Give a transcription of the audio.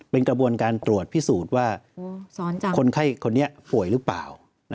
เป็นกระบวนการตรวจพิสูจน์ว่าคนไข้คนนี้ป่วยหรือเปล่า